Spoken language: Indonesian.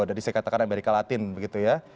jadi saya katakan amerika latin begitu ya